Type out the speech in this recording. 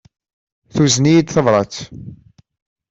Tuzen-iyi-d tabrat.